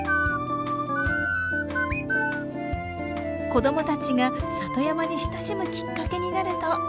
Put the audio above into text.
子どもたちが里山に親しむきっかけになるといいですね。